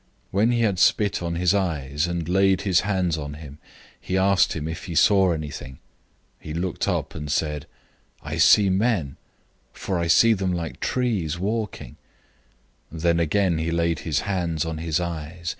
When he had spit on his eyes, and laid his hands on him, he asked him if he saw anything. 008:024 He looked up, and said, "I see men; for I see them like trees walking." 008:025 Then again he laid his hands on his eyes.